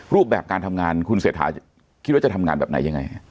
รูปแบบการทำงานคุณเศรษฐาคิดว่าจะทำงานแบบไหนยังไง